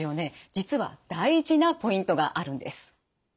実は大事なポイントがあるんです。